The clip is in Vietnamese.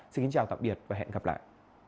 xin kính chào tạm biệt và hẹn gặp lại